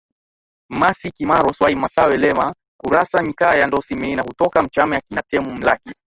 Mmasy Kimaro Swai Massawe Lema Urassa Nkya Ndosi Meena hutoka MachameAkina Temu Mlaki